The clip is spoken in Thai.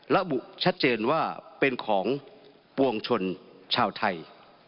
ระบุชัดเจนว่าเป็นของปวงชนชาวไทย